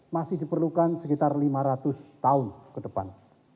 masih diperlukan sekitar lima ratus tahun ke depan